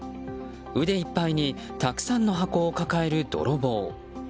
腕いっぱいにたくさんの箱を抱える泥棒。